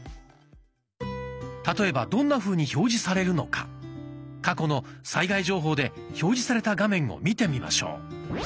例えばどんなふうに表示されるのか過去の災害情報で表示された画面を見てみましょう。